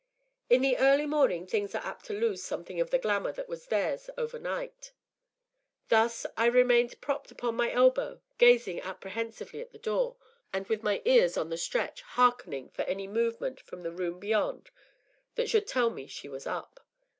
In the early morning things are apt to lose something of the glamour that was theirs over night; thus I remained propped upon my elbow, gazing apprehensively at the door, and with my ears on the stretch, hearkening for any movement from the room beyond that should tell me she was up.